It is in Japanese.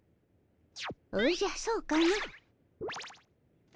おじゃそうかの。